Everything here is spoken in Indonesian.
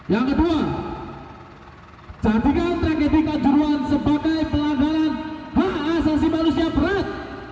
yang kedua jadikan tragedi kanjuruan sebagai pelanggaran hak asasi manusia berat